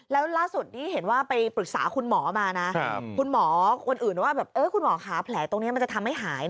แล้วล่าสุดนี้เห็นว่าไปปรึกษาคุณหมอมานะคุณหมอคนอื่นว่าแบบคุณหมอขาแผลตรงนี้มันจะทำให้หายนะ